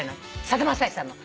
さだまさしさんの。